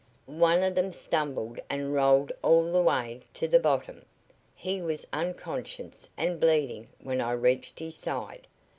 One of them stumbled and rolled all the way to the bottom. He was unconscious and bleeding when I reached his side.